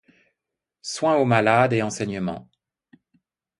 Soins aux malades et enseignement.